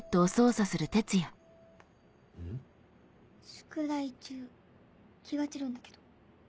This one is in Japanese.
宿題中気が散るんだけど。